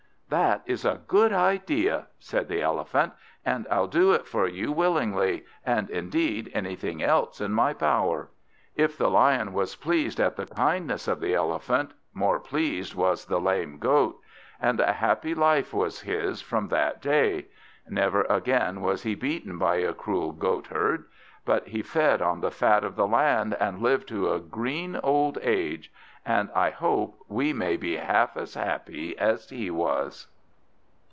"That is a good idea," said the Elephant, "and I'll do it for you willingly, and indeed anything else in my power." If the Lion was pleased at the kindness of the Elephant, more pleased was the lame Goat; and a happy life was his from that day. Never again was he beaten by a cruel goatherd: but he fed on the fat of the land, and lived to a green old age; and I hope we may be half as happy as he was.